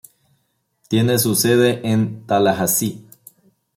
Tiene su sede en Tallahassee.